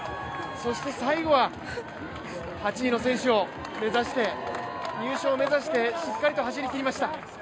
そして最後は、８位の選手を目指して、入賞目指してしっかりと走りきりました。